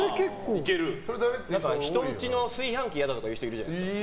人んちの炊飯器嫌だっていう人いるじゃないですか。